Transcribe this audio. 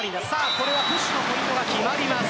これはプッシュのポイントが決まります。